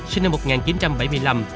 sinh năm một nghìn chín trăm bảy mươi năm